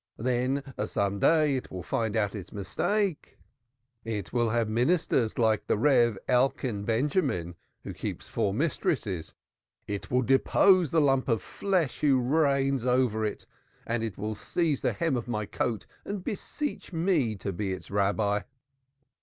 Then some day it will find out its mistake; it will not have ministers like the Rev. Elkan Benjamin, who keeps four mistresses, it will depose the lump of flesh who reigns over it and it will seize the hem of my coat and beseech me to be its Rabbi."